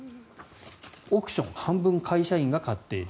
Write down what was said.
億ション半分、会社員が買っている。